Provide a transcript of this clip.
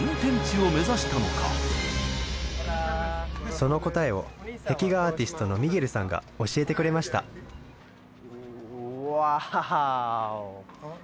その答えを壁画アーティストのミゲルさんが教えてくれましたワーオ！